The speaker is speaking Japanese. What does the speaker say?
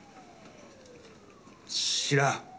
知らん。